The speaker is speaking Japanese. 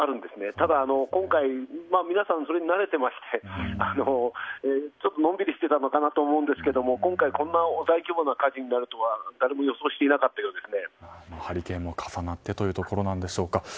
ただ、今回皆さんそれに慣れていましてちょっとのんびりしていたかと思うんですけど今回、こんな大規模な火事になるとはハリケーンも重なってというところなんでしょうか。